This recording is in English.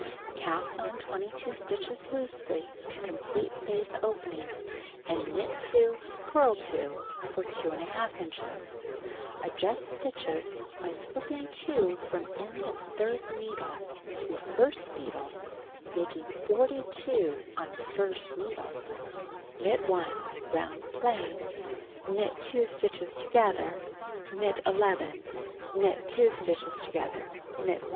Cast on 22 stitches loosely to complete face opening, and knit 2, purl 2 for 2h inches (adjust stitches by slipping 2 from end of third needle to first needle, making 42 on first needle). Knit 1 round plain. Knit 2 stitches together, knit 11, knit 2 stitches together, knit 1.